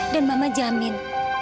dan mama jamin